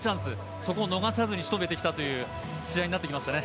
そこを逃さずに仕留めてきたという試合になってきましたね。